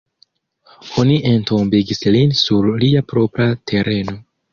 Oni entombigis lin sur lia propra tereno.